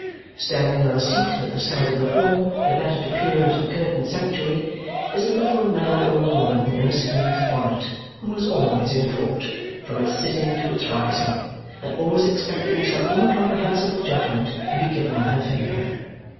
Standing on a seat at the side of the hall, the better to peer into the curtained sanctuary, is a little mad old woman in a squeezed bonnet who is always in court, from its sitting to its rising, and always expecting some incomprehensible judgment to be given in her favour.